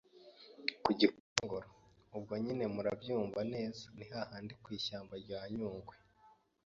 ku GIKONGORO, ubwo nyine murabyumva neza ni ha handi ku ishyamba rya Nyungwe